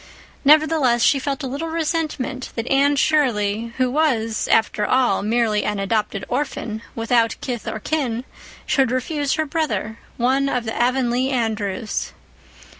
Nevertheless, she felt a little resentment that Anne Shirley, who was, after all, merely an adopted orphan, without kith or kin, should refuse her brother—one of the Avonlea Andrews.